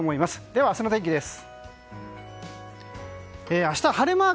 では、明日の天気です。